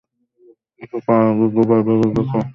কিছু করার আগে দুবার ভেবে দেখ!